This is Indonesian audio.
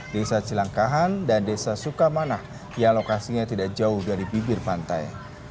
desa cilangkahan dan desa sukamanah yang lokasinya tidak jauh dari bibir pantai